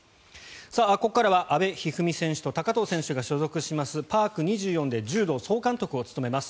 ここからは阿部一二三選手と高藤選手が所属しますパーク２４で柔道総監督を務めます